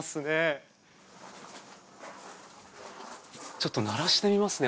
ちょっと鳴らしてみますね。